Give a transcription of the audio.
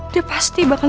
dia pasti bakal